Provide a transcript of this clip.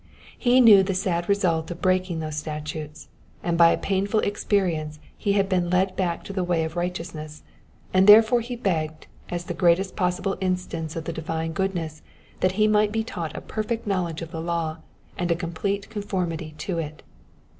He knew the sad result of breaking those statutes, and by a painful experience he had been led back to the way of righteousness ; and therefore he begged as the greatest possible instance of the divine goodness that he might be taught a perfect knowledge of the law, and a complete conformity to it.